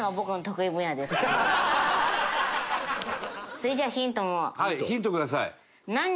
それじゃあヒントを。